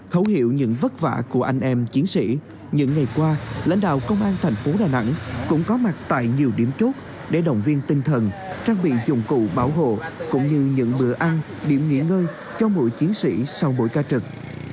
thấu hiểu những vất vả của anh em chiến sĩ những ngày qua lãnh đạo công an thành phố đà nẵng cũng có mặt tại nhiều điểm chốt để động viên tinh thần trang bị dụng cụ bảo hộ cũng như những bữa ăn điểm nghỉ ngơi cho mỗi chiến sĩ sau mỗi ca trực